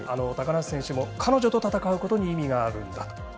高梨選手も、彼女と戦うことに意味があるんだ。